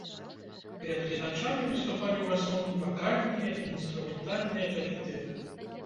Перад гледачамі выступалі ў асноўным вакальныя і інструментальныя калектывы.